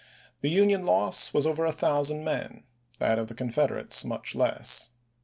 The Union loss was over a thousand men ; that of the Con federates much less.